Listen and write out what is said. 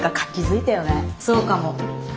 そうかも。